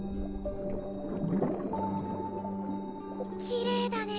きれいだね。